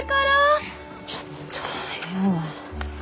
ちょっと部屋は。